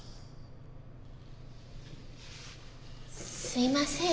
すいません